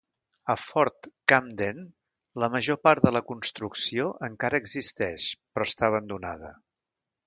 A Fort Camden, la major part de la construcció encara existeix però està abandonada.